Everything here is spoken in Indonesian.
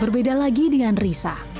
berbeda lagi dengan risa